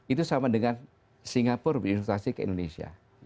itu sama dengan singapura berinvestasi ke indonesia